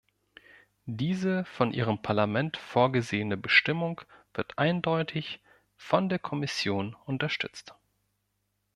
Diese von Ihrem Parlament vorgesehene Bestimmung wird eindeutig von der Kommission unterstützt.